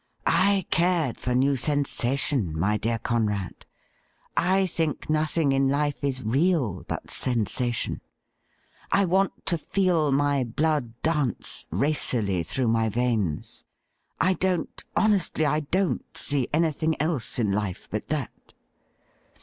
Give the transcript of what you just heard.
' I cared for new sensation, my dear Conrad. I think nothing in life is real but sensation. I want to feel my blood dance racily through my veins. I don't — ^honestly, I don't — see anything else in life but that.